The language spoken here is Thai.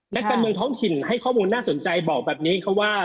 นักการเมืองท้องถิ่นให้ข้อมูลน่าสนใจบอกแบบนี้ค่ะว่า